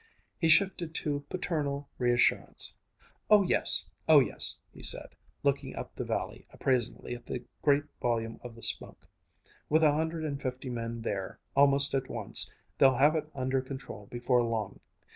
He shifted to paternal reassurance. "Oh yes, oh yes," he said, looking up the valley appraisingly at the great volume of the smoke, "with a hundred and fifty men there, almost at once, they'll have it under control before long.